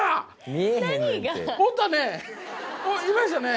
いましたね。